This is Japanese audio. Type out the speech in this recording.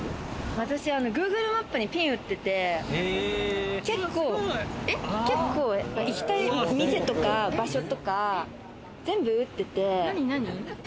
私、Ｇｏｏｇｌｅマップにピン打ってて、結構行きたい店とか場所とか、全部打ってて。